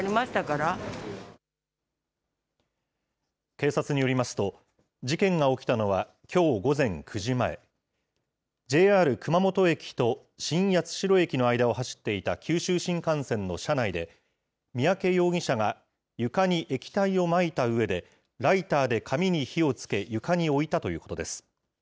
警察によりますと、事件が起きたのは、きょう午前９時前、ＪＲ熊本駅と新八代駅の間を走っていた九州新幹線の車内で、三宅容疑者が床に液体をまいたうえで、ライターで紙に火をつけ、床に置いたということです。